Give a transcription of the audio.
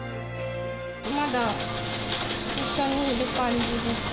まだ一緒にいる感じです。